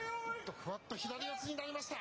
ふわっと左四つになりました。